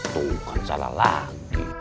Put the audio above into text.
tuh kan salah lagi